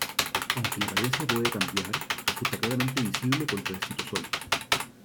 Aunque la apariencia puede cambiar, resulta claramente visible contra el citosol.